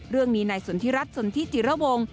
เรื่องนี้ในสนทิรัตน์สนทิจิระวงค์